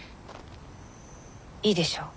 いいでしょ？